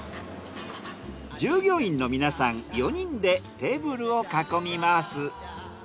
従業員の皆さん４人でテーブルを囲みます。